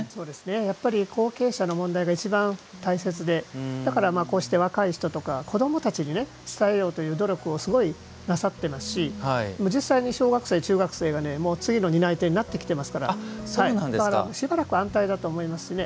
やっぱり後継者の問題がいちばん大切でだから、若い人とか子どもたちに伝えようという努力をすごいなさっていますし実際に小学生、中学生がもう次の担い手になってきていますからだから、しばらくは安泰だと思いますしね。